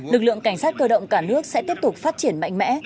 lực lượng cảnh sát cơ động cả nước sẽ tiếp tục phát triển mạnh mẽ